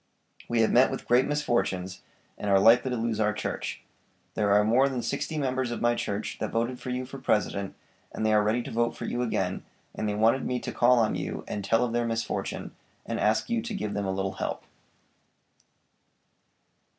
We have met with great misfortunes, and are likely to lose our church. There are more than sixty members of my church that voted for you for President, and they are ready to vote for you again, and they wanted me to call on you and tell you of their misfortune, and ask you to give them a little help.'"